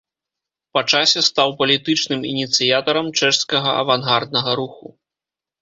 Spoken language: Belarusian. Па часе стаў палітычным ініцыятарам чэшскага авангарднага руху.